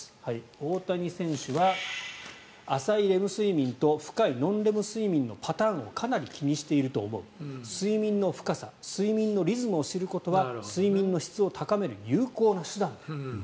大谷選手は浅いレム睡眠と深いノンレム睡眠のパターンをかなり気にしていると思う睡眠の深さ睡眠のリズムを知ることは睡眠の質を高める有効な手段であると。